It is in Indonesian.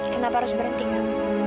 kenapa harus berhenti kam